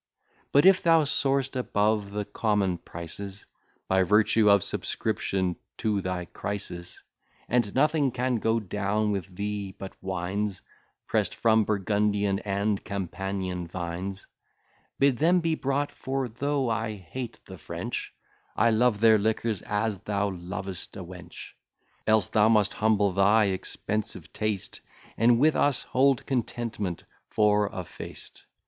But if thou soar'st above the common prices, By virtue of subscription to thy Crisis, And nothing can go down with thee but wines Press'd from Burgundian and Campanian vines, Bid them be brought; for, though I hate the French, I love their liquors, as thou lovest a wench; Else thou must humble thy expensive taste, And, with us, hold contentment for a feast.